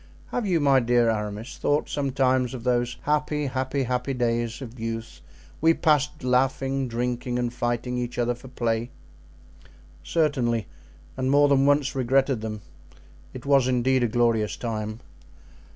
"Have you, my dear Aramis, thought sometimes of those happy, happy, happy days of youth we passed laughing, drinking, and fighting each other for play?" "Certainly, and more than once regretted them; it was indeed a glorious time."